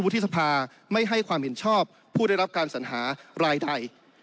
ที่สภาไม่ให้ความเห็นชอบผู้ได้รับการสัญหารายใด